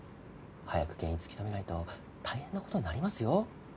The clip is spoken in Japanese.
早く原因突き止めないと大変な事になりますよ。